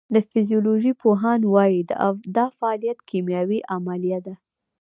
د فزیولوژۍ پوهان وایی دا فعالیت کیمیاوي عملیه ده